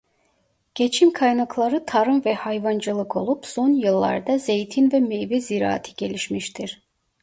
Geçim kaynakları tarım ve hayvancılık olup son yıllarda zeytin ve meyve ziraatı gelişmiştir.